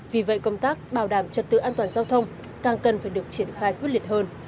vì vậy công tác bảo đảm trật tự an toàn giao thông càng cần phải được triển khai quyết liệt hơn